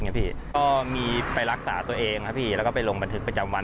พี่ก็มีไปรักษาตัวเองครับพี่แล้วก็ไปลงบันทึกประจำวัน